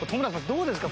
どうですか？